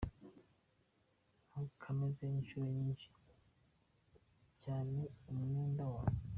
Ntukamese inshuro nyinshi cyane umwenda wawe.